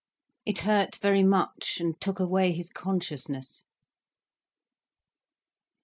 It hurt very much, and took away his consciousness.